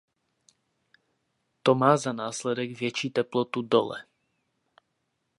To má za následek větší teplotu dole.